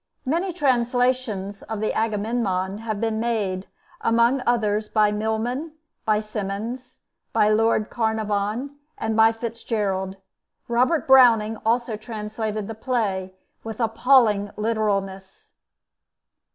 Many translations of the 'Agamemnon' have been made, among others by Milman, by Symmons, by Lord Carnarvon, and by Fitzgerald. Robert Browning also translated the play, with appalling literalness.